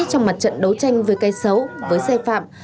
trong mặt trận đấu tranh với cây xấu với xe phạm